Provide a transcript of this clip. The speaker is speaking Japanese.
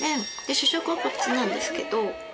主食はこっちなんですけど。